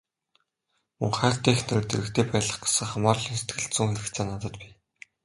Мөн хайртай эхнэрээ дэргэдээ байлгах гэсэн хамаарлын сэтгэлзүйн хэрэгцээ надад бий.